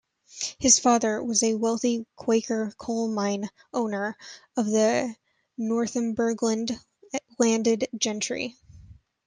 His father was a wealthy Quaker coal mine owner of the Northumberland Landed Gentry.